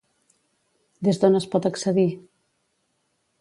Des d'on es pot accedir?